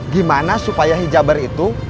gimana supaya hijaber itu